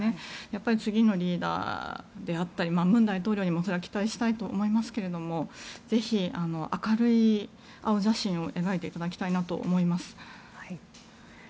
次のリーダーであったり文大統領にも、それは期待したいと思いますけれどもぜひ、明るい青写真を描いていただきたいと思います。